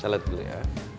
saya lihat dulu ya